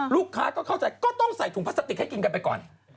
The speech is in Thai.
ลูกค้าก็เข้าใจก็ต้องใส่ถุงพลาสติกให้กินกันไปก่อน